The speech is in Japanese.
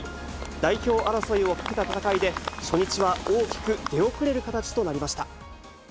代表争いをかけた戦いで、初日は大きく出遅れる形となりました。